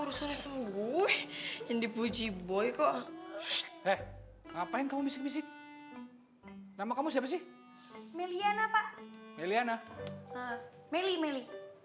harusnya sembuh yang dipuji boy kok ngapain kamu bisa nama kamu siapa sih melian apa meliana meli meli